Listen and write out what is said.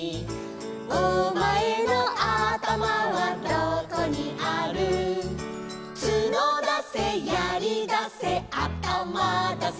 「お前のあたまはどこにある」「角だせやりだせあたまだせ」